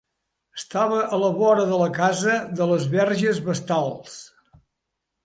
Estava a la vora de la casa de les verges vestals.